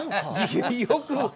よく。